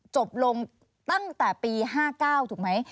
จบลงตั้งแต่ปี๕๙ถูกไหม